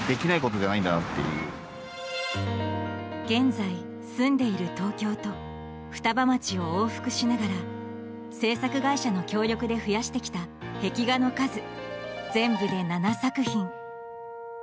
現在住んでいる東京と双葉町を往復しながら制作会社の協力で増やしてきた壁画の数、全部で７作品。